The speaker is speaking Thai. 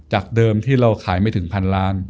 เดิมที่เราขายไม่ถึงพันล้าน